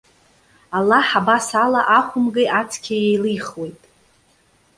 Аллаҳ абас ала ахәымгеи ацқьеи иеилихуеит.